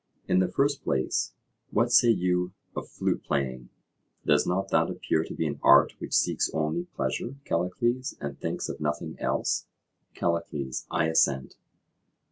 In the first place, what say you of flute playing? Does not that appear to be an art which seeks only pleasure, Callicles, and thinks of nothing else? CALLICLES: I assent.